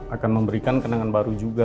akan memberikan kenangan baru juga